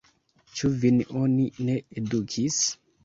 Ĉu vin oni ne edukis?